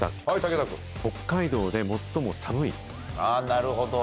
なるほど。